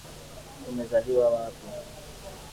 Umezaliwa wapi?